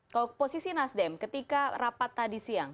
kalau posisi nasdem ketika rapat tadi siang